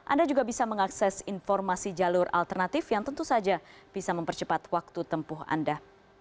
anda juga bisa mengakses informasi jalur alternatif yang tentu saja bisa mempercepat waktu tempuh anda